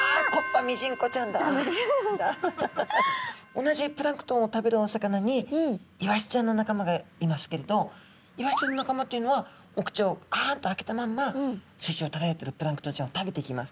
同じプランクトンを食べるお魚にイワシちゃんの仲間がいますけれどイワシちゃんの仲間というのはお口をあんと開けたまんま水中をただっているプランクトンちゃんを食べていきます。